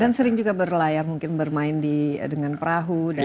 dan sering juga berlayar mungkin bermain di dengan perahu dan